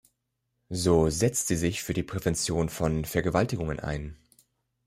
So setzt sie sich für die Prävention von Vergewaltigungen ein.